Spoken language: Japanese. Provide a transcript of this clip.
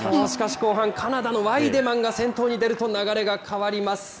しかし後半、カナダのワイデマンが先頭に出ると、流れが変わります。